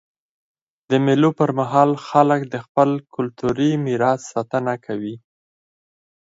د مېلو پر مهال خلک د خپل کلتوري میراث ساتنه کوي.